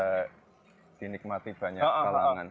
bisa dinikmati banyak kalangan